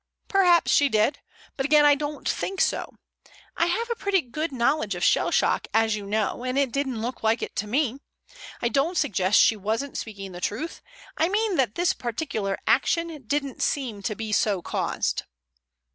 "Perhaps she did, but again I don't think so. I have a pretty good knowledge of shell shock, as you know, and it didn't look like it to me. I don't suggest she wasn't speaking the truth. I mean that this particular action didn't seem to be so caused."